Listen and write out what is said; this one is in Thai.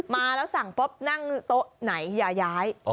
มาแล้วสั่งปุ๊บนั่งโต๊ะไหนอย่าย้าย